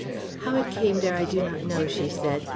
"How it came there I do not know," she said.